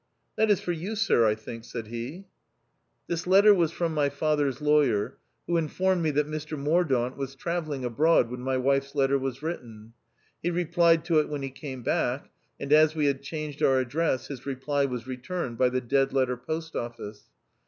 That is for you, sir, T think," said he. 224 THE OUTCAST. This letter was from my father's lawyer, who informed me that Mr Mordaunt was travelling abroad when my wife's letter was written : he replied to it when he came back, and as we had changed our address, his reply was returned by the Dead Letter Post Office.